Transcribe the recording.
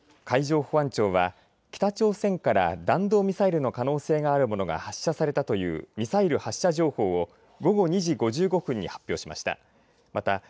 海上保安庁は北朝鮮から弾道ミサイルの可能性があるものが発射されたというミサイル発射情報を午後２時５５分に発表しました。